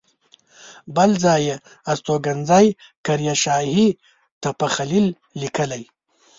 بل ځای یې استوګنځی قریه شاهي تپه خلیل لیکلی.